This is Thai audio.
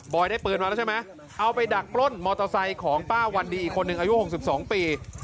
ได้ปืนมาแล้วใช่ไหมเอาไปดักปล้นมอเตอร์ไซค์ของป้าวันดีอีกคนหนึ่งอายุ๖๒ปี